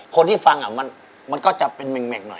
คนที่ฟังมันก็จะเป็นเหม็กหน่อย